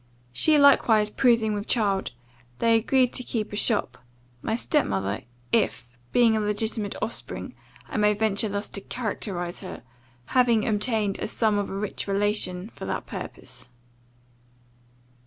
She likewise proving with child, they agreed to keep a shop: my step mother, if, being an illegitimate offspring, I may venture thus to characterize her, having obtained a sum of a rich relation, for that purpose.